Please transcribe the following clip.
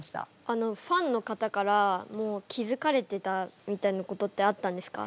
ファンの方から気付かれてたみたいなことってあったんですか？